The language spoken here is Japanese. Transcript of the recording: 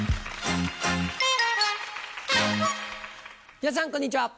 皆さんこんにちは。